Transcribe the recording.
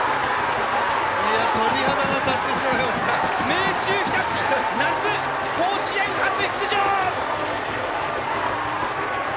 明秀日立、夏甲子園初出場！